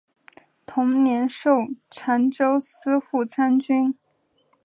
同年授澶州司户参军。